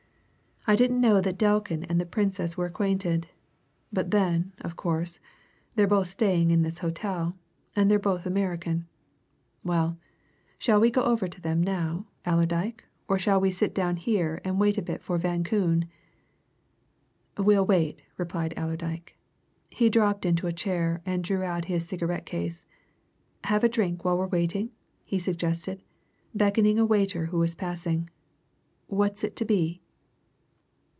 "I didn't know that Delkin and the Princess were acquainted. But then, of course, they're both staying in this hotel, and they're both American. Well, shall we go to them now, Allerdyke, or shall we sit down here and wait a bit for Van Koon?" "We'll wait," replied Allerdyke. He dropped into a chair and drew out his cigarette case. "Have a drink while we're waiting?" he suggested, beckoning a waiter who was passing. "What's it to be?"